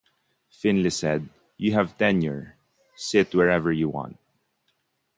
Finley said, You have tenure, sit wherever you want.